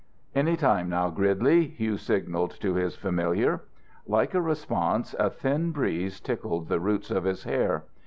"Any time now, Gridley," Hugh signalled to his familiar. Like a response, a thin breeze tickled the roots of his hair.